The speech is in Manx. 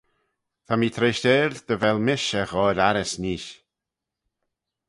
Ta mee treishteil dy vel mish er ghoaill arrys neesht.